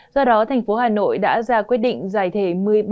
do đó thành phố hà nội đã ra quyết định giải thể một mươi ba cơ sở